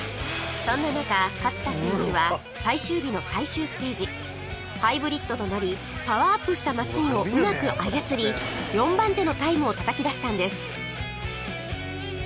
そんな中勝田選手は最終日の最終ステージハイブリッドとなりパワーアップしたマシンをうまく操り４番手のタイムをたたき出したんです